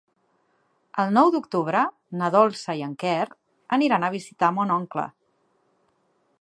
El nou d'octubre na Dolça i en Quer aniran a visitar mon oncle.